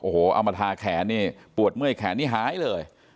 โอ้โหเอามาทาแขนนี่ปวดเมื่อยแขนนี่หายเลย